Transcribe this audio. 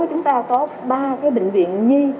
chúng ta có ba cái bệnh viện nhi